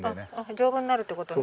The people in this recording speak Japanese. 丈夫になるって事ね。